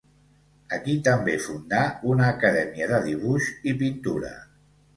Aquí també fundà una Acadèmia de dibuix i pintura.